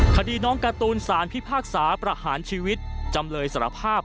คดีน้องการ์ตูนสารพิพากษาประหารชีวิตจำเลยสารภาพ